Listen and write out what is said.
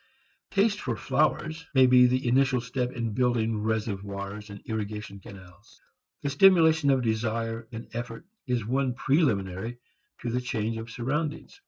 Taste for flowers may be the initial step in building reservoirs and irrigation canals. The stimulation of desire and effort is one preliminary in the change of surroundings.